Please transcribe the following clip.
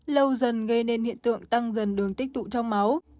lâu dần gây nên hiện tượng tăng dần đường tích tụ trong máu